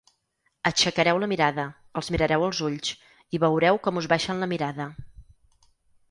Aixecareu la mirada, els mirareu als ulls i veureu com us baixen la mirada.